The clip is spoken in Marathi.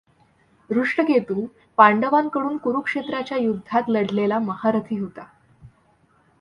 धृष्टकेतु पांडवांकडून कुरुक्षेत्राच्या युद्धात लढलेला महारथी होता.